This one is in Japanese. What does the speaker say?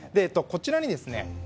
こちらにですね